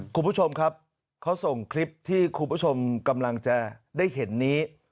คุณผู้ชมครับเขาส่งคลิปที่คุณผู้ชมกำลังจะได้เห็นนี้